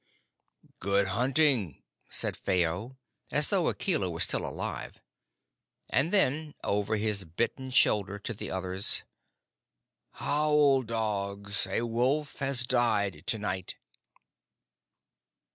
"Good hunting!" said Phao, as though Akela were still alive, and then over his bitten shoulder to the others: "Howl, dogs! A Wolf has died to night!"